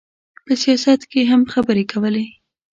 په سیاست کې یې هم خبرې کولې.